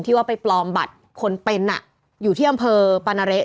ว่าไปปลอมบัตรคนเป็นอยู่ที่อำเภอปานาเละ